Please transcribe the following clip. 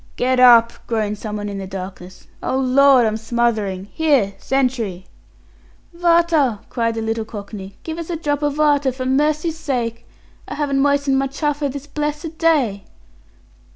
"Get up!" groaned someone in the darkness. "Oh, Lord, I'm smothering! Here, sentry!" "Vater!" cried the little cockney. "Give us a drop o' vater, for mercy's sake. I haven't moist'ned my chaffer this blessed day."